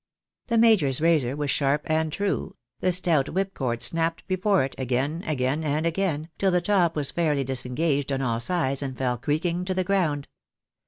The major's razor was sharp and true, the stout whipcord snapped before it, again, again, and again, till the top was fairly disengaged on all sides, and fell creaking to the ground.